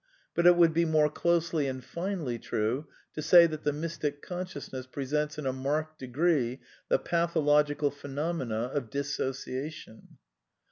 But it would be more closelj and finely true to say that the mysti consciousness presents in a marked degree the pathological phenomena of ^' dissociation."